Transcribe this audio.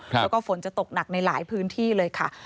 แล้วก็ฝนจะตกหนักในหลายพื้นที่เลยค่ะ